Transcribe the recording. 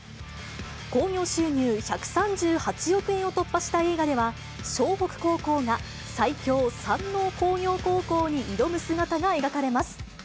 興行収入１３８億円を突破した映画では、湘北高校が最強、山王工業高校に挑む姿が描かれます。